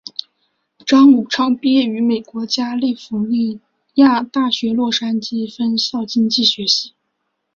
张五常毕业于美国加利福尼亚大学洛杉矶分校经济学系。